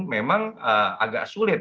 memang agak sulit